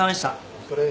お疲れ。